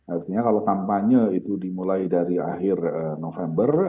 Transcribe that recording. artinya kalau kampanye itu dimulai dari akhir november